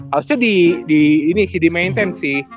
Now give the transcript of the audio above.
harusnya di ini sih di maintain sih